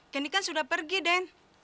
kini kan sudah pergi den